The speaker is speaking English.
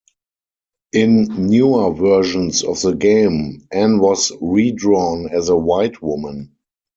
In newer versions of the game, Anne was redrawn as a white woman.